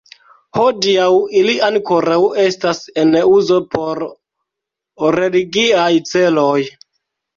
Hodiaŭ ili ankoraŭ estas en uzo por religiaj celoj.